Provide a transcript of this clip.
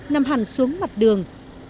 nằm hẳn xuống mặt đường